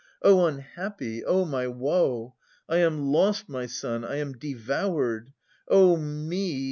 Oh unhappy ! Oh ! my woe ! I am lost, my son, I am devoured. Oh me